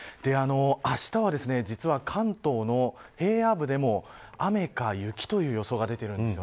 あしたは実は関東の平野部でも、雨か雪という予想が出ているんです。